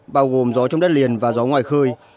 bao gồm gió trong đất liền và gió ngoài khơi